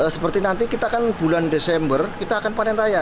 seperti nanti kita kan bulan desember kita akan panen raya